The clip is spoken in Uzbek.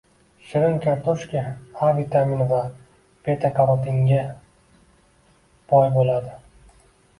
Shirin kartoshka A vitamini va beta-karotinga boy bo‘ladi